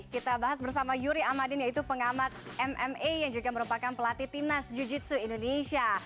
kita bahas bersama yuri amadin yaitu pengamat mma yang juga merupakan pelatih timnas jiu jitsu indonesia